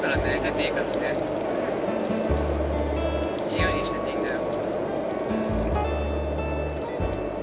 自由にしてていいんだよ。